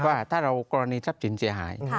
ว่าถ้าเรากรณีทรัพย์สินเสียหาย